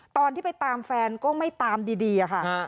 ตอนที่ไปตามแฟนก็ไม่ตามดีอะค่ะ